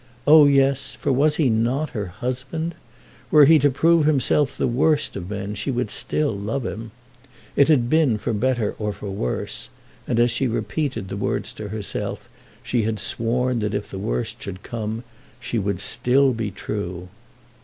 Oh yes; for was he not her husband? Were he to prove himself the worst of men she would still love him. It had been for better or for worse; and as she had repeated the words to herself, she had sworn that if the worst should come, she would still be true.